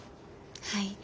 はい。